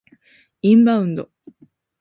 インバウンド